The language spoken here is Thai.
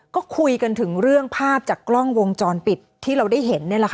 ก็คุยกันถึงเรื่องภาพจากกล้องวงจรปิดที่เราได้เห็น